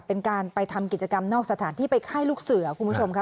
เป็นการไปทำกิจกรรมนอกสถานที่ไปค่ายลูกเสือคุณผู้ชมค่ะ